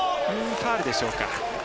ファウルでしょうか。